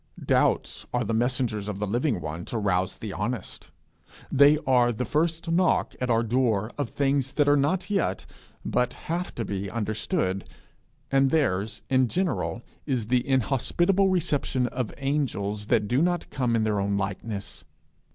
Doubts are the messengers of the Living One to rouse the honest. They are the first knock at our door of things that are not yet, but have to be, understood; and theirs in general is the inhospitable reception of angels that do not come in their own likeness.